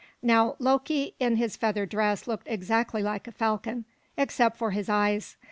Now Loki in his feather dress looked exactly like a falcon except for his eyes.